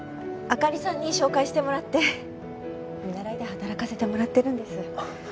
灯さんに紹介してもらって見習いで働かせてもらってるんです。